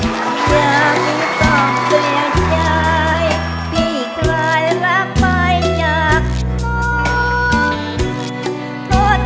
กอดหมอนน้ำเราส่วงใดอย่ามีต้องเปลี่ยนใจพี่จะรักไปอย่างน้อง